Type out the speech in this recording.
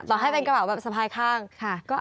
ต่อให้เป็นกระเป๋าซภายข้างค่ะ